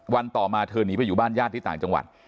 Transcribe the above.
ต่อมาเธอหนีไปอยู่บ้านญาติที่ต่างจังหวัด